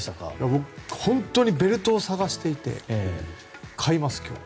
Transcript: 僕、本当にベルトを探していて買います、今日。